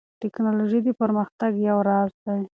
ټیکنالوژي د پرمختګ یو راز دی.